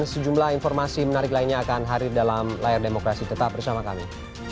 sejumlah informasi menarik lainnya akan hadir dalam layar demokrasi tetap bersama kami